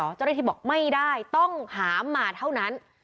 เจ้าหน้าที่บอกไม่ได้ต้องหามาเท่านั้น